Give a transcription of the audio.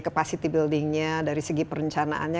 capacity building nya dari segi perencanaannya